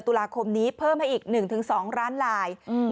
ตุลาคมนี้เพิ่มให้อีก๑๒ล้านลาย